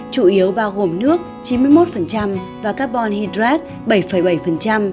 chủ yếu bao gồm nước chín mươi một và carbon hydrate bảy bảy